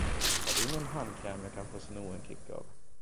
Har du någon handkräm jag kan få sno en klick av?